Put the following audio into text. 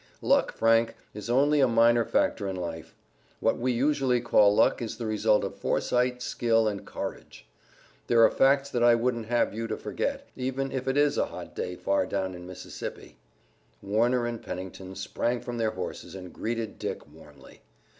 "Luck, Frank, is only a minor factor in life. What we usually call luck is the result of foresight, skill and courage. There are facts that I wouldn't have you to forget, even if it is a hot day far down in Mississippi." Warner and Pennington sprang from their horses and greeted Dick warmly.